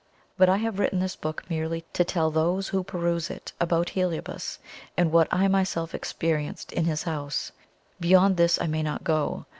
But I have written this book merely to tell those who peruse it, about Heliobas, and what I myself experienced in his house; beyond this I may not go.